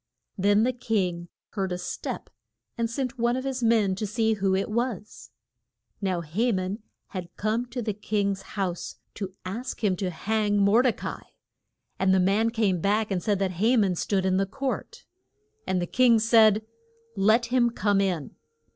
Then the king heard a step and sent one of his men to see who it was. Now Ha man had come to the king's house to ask him to hang Mor de ca i. And the man came back and said that Ha man stood in the court. And the king said, Let him come in.